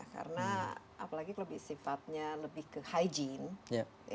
karena apalagi lebih sifatnya lebih ke hygiene